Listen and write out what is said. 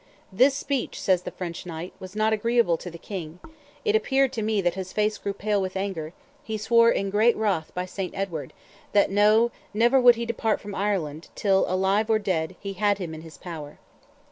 This speech," says the French knight, "was not agreeable to the King; it appeared to me that his face grew pale with anger; he swore in great wrath by St. Edward, that, no, never would he depart from Ireland, till, alive or dead, he had him in his power."